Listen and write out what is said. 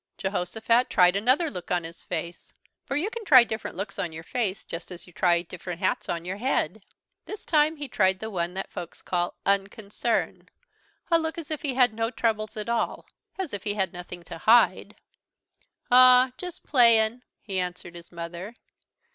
Jehosophat tried another look on his face, for you can try different looks on your face just as you try different hats on your head. This time he tried the one that folks call "unconcern," a look as if he had no troubles at all, as if he had nothing to hide. "Aw, just playin'," he answered his mother.